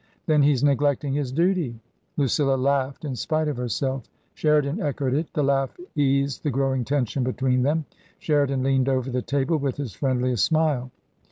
" T/ten he's neglecting his duty !'* Lucilla laughed in spite of herself Sheridan echoed it. The laugh eased the growing tension between them. Sheridan leaned over the table with his friendliest smile.